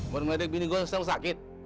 mereka bini gue sel sel sakit